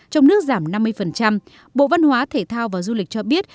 trong nước giảm năm mươi bộ văn hóa thể thao và du lịch cho biết